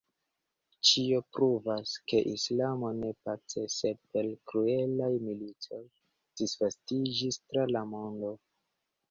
Ĉio pruvas, ke islamo ne pace sed per kruelaj militoj disvastiĝis tra la mondo.